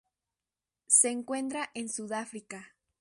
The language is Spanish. Se encuentra en Sudáfrica.